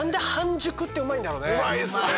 うまいですね。